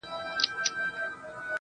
ستړى په گډا سومه ،چي، ستا سومه_